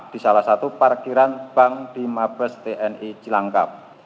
di salah satu parkiran bank di mabes tni cilangkap